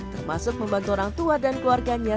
termasuk membantu orang tua dan keluarganya